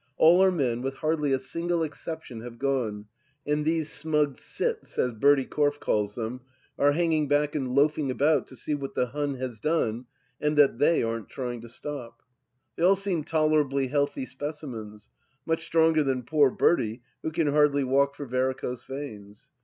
All our men 221 222 THE LAST DITCH with hardly a single exception have gone, and these " smug cits," as Bertie Corfe calls them, are hanging back and loafing about to see what the Hun has done and that they aren't trying to stop. They all seem tolerably healthy specimens ; much stronger than poor Bertie, who can hardly walk for varicose veins.